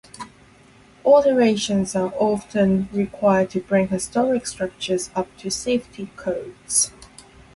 Alterations are often required to bring historic structures up to safety codes.